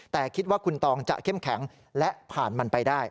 แต่คิดว่าคุณตองจะเข้มแข็งและผ่านมันไปได้